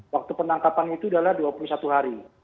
waktu penangkapan itu adalah dua puluh satu hari